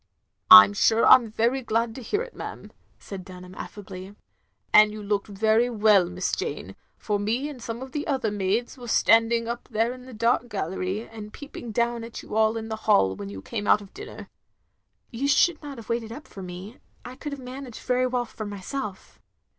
" I 'm sure I 'm very glad to hear it, ma'am," said Dunham, affably, "and you looked very well, Miss Jane, for me and some of the other maids was standing up there in the dark gallery, and peeping down at you all in the hall when you came out of dinner." "You should not have waited up for me. I could have managed very well for myself."